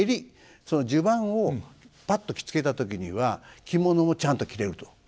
その襦袢をぱっと着付けた時には着物もちゃんと着れると。